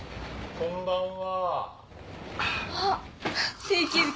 こんばんは。